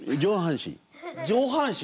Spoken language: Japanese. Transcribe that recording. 上半身。